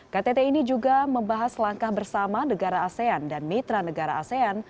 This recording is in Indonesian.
ktt ini juga membahas langkah bersama negara asean dan mitra negara asean